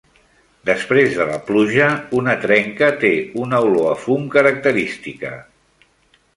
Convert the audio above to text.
Després de la pluja, una trenca té una olor a fum característica.